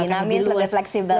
lebih dinamis lebih fleksibel ya